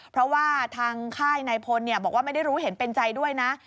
เพราะว่าทางค่ายนายพลบอกว่าไม่ได้รู้เห็นเป็นใจด้วยนะ